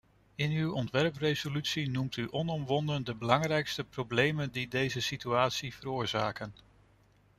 In uw ontwerpresolutie noemt u onomwonden de belangrijkste problemen die deze situatie veroorzaken.